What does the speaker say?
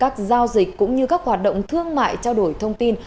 các giao dịch cũng như các hoạt động thương mại trao đổi thông tin